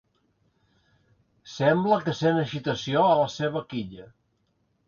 Sembla que sent agitació a la seva quilla.